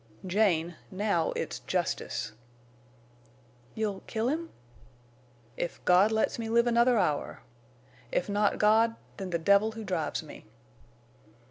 "Jane, now it's justice." "You'll—kill him?" "If God lets me live another hour! If not God—then the devil who drives me!"